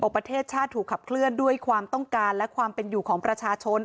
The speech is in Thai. ประเทศชาติถูกขับเคลื่อนด้วยความต้องการและความเป็นอยู่ของประชาชน